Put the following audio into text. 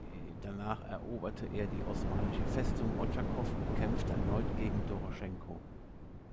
Danach eroberte er die osmanische Festung Otschakow und kämpfte erneut gegen Doroschenko.